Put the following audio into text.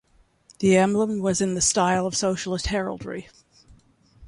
The emblem was in the style of socialist heraldry.